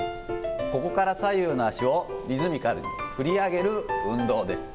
ここから左右の脚をリズミカルに振り上げる運動です。